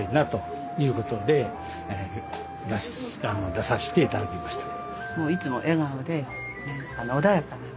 出させていただきましたね。